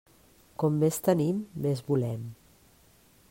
Com més tenim, més volem.